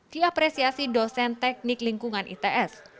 diapresiasi dosen teknik lingkungan its